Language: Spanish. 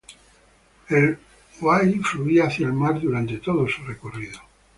El Huai fluía hacia el mar durante todo su recorrido.